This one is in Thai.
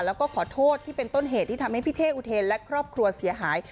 แล้วก็ขอโทษที่เป็นต้นเหตุที่ทำให้พี่เท่อุเทนและครอบครัวเสียหาย